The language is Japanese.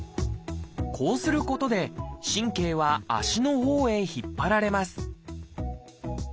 こうすることで神経は足のほうへ引っ張られます